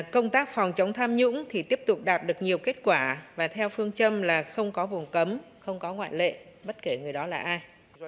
công tác phòng chống tham nhũng thì tiếp tục đạt được nhiều kết quả và theo phương châm là không có vùng cấm không có ngoại lệ bất kể người đó là ai